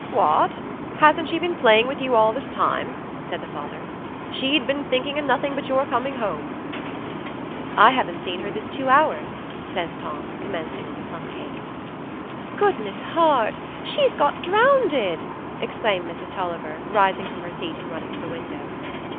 "What! hasn't she been playing with you all this while?" said the father. "She'd been thinking o' nothing but your coming home." "I haven't seen her this two hours," says Tom, commencing on the plumcake. "Goodness heart; she's got drownded!" exclaimed Mrs Tulliver, rising from her seat and running to the window.